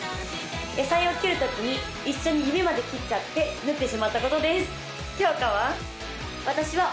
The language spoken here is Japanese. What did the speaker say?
野菜を切る時に一緒に指まで切っちゃって縫ってしまったことですきょうかは？